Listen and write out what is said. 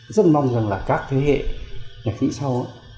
rất mong rằng là các thế hệ nhạc sĩ sau